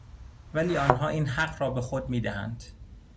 ولی آنها این حق را به خود میدهند